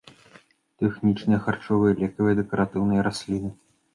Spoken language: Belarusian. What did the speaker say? Тэхнічныя, харчовыя, лекавыя, дэкаратыўныя расліны.